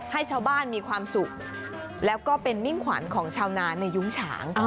ให้ชาวบ้านมีความสุขแล้วก็เป็นมิ่งขวัญของชาวนานในยุ้งฉาง